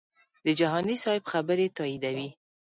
د جهاني صاحب خبرې تاییدوي.